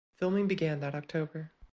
Filming began that October.